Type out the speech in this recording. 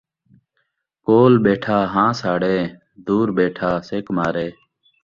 کول ٻیٹھا ہاں ساڑے ، دور ٻیٹھا سِک مارے